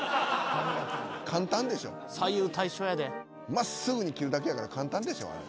真っすぐに切るだけやから簡単でしょあれ。